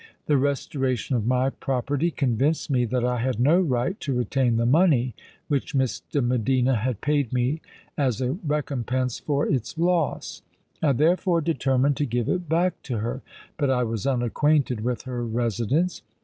The restoration of my property convinced me that I had no right to retain the money which Miss de Medina had paid to me as a recompense for its loss. I therefore determined to give it back to her. But I was unacquainted with her residence.